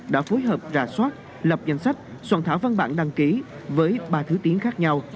đã phối hợp rà soát lập danh sách soạn thảo văn bản đăng ký với ba thứ tiếng khác nhau